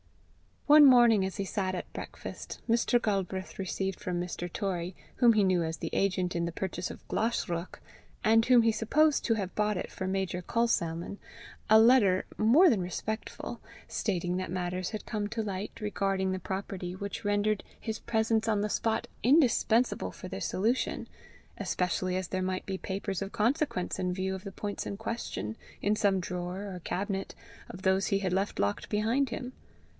One morning, as he sat at breakfast, Mr. Galbraith received from Mr. Torrie, whom he knew as the agent in the purchase of Glashruach, and whom he supposed to have bought it for Major Culsalmon, a letter, more than respectful, stating that matters had come to light regarding the property which rendered his presence on the spot indispensable for their solution, especially as there might be papers of consequence in view of the points in question, in some drawer or cabinet of those he had left locked behind him.